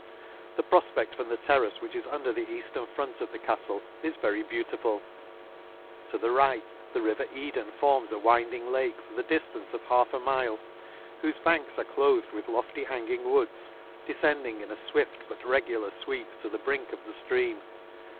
The profpecfl from the terrace which is under the eaftern front of the cattle, is very beautiful ;— to the right the river Eden forms a winding lake, for the dis tance of half a mile, whofe banks are cloathed with lofty hanging woods, de fending in a fwift but regular fweep to the brink of the ftream.